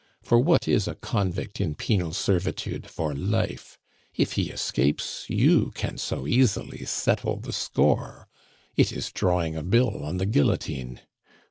For what is a convict in penal servitude for life? If he escapes, you can so easily settle the score. It is drawing a bill on the guillotine!